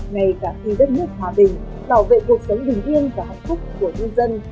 ngay cả khi đất nước hòa bình bảo vệ cuộc sống bình yên và hạnh phúc của nhân dân